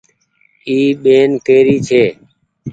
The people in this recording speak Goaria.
اي ٻين ڪي ري ڇي ۔